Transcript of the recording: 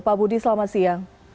pak budi selamat siang